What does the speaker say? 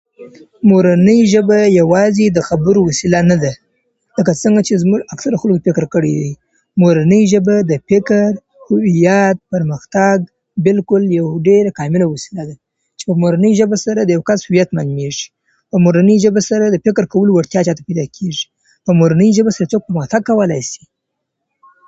مورنۍ ژبه یوازې د خبرو وسیله نه ده لکه څنګه چې زموږ اکثرو خلکو فکر کړی دی مورنۍ ژبه د فکر هویت پرمختګ بلکل ډېر کامله وسیله ده مورنۍ ژبې سره د یو چا هویت معلومېږي په مورنۍ ژبې سره د فکر کولو وړتیا زیاتېژي په مورنۍ ژبې سره يو څوک پرمختګ کولای سي.